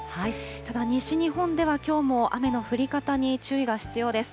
ただ西日本では、きょうも雨の降り方に注意が必要です。